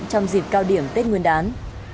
trong dịp cao điểm tết nguyên đán